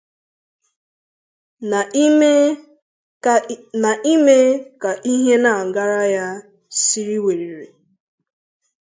na ime ka ihe na-agara ya siriri werere